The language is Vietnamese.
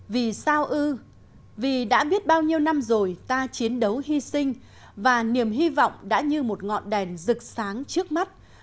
vì sao ư vì đã biết bao nhiêu năm rồi ta chiến đấu hy sinh và niềm hy vọng đã như một ngọn đèn rực sáng trước mắt